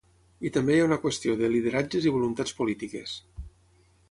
I també hi ha una qüestió de lideratges i voluntats polítiques.